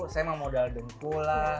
saya mau modal dengkulah